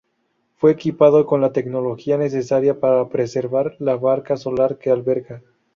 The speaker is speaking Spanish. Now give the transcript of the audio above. Fue equipado con la tecnología necesaria para preservar la barca solar que alberga.